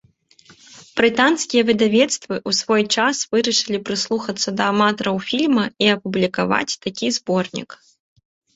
Брытанскія выдавецтвы ў свой час вырашылі прыслухацца да аматараў фільма і апублікаваць такі зборнік.